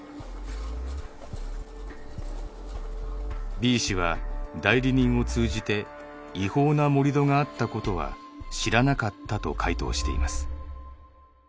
Ｂ氏は代理人を通じて「違法な盛り土があったことは知らなかった」と回答しています。